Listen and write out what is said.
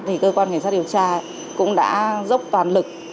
thì cơ quan kiểm soát điều tra cũng đã dốc toàn lực